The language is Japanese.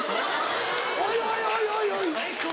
「おいおいおいおいおい」。